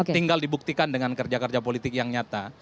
tinggal dibuktikan dengan kerja kerja politik yang nyata